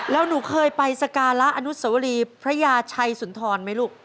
แล้วหนูเคยไปสการะอนุสวรีพระยาชัยสุนทรไหมลูก